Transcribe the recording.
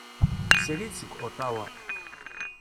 Srid seg Otawa.